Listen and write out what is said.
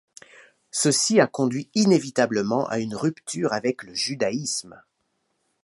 Ceci a conduit inévitablement à une rupture avec le judaïsme.